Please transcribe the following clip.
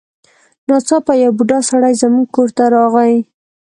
ناڅاپه یو بوډا سړی زموږ کور ته راغی.